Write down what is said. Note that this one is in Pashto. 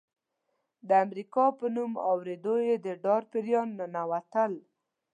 د امریکا په نوم اورېدو یې د ډار پیریان ننوتل.